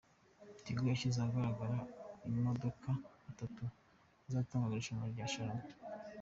Tigo yashyize ahagaragara amamodoka Atatu azatangwa mu irushanwa rya Sharama